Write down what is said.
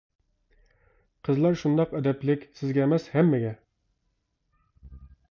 قىزلار شۇنداق ئەدەپلىك، سىزگە ئەمەس ھەممىگە.